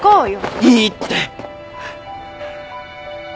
いいって！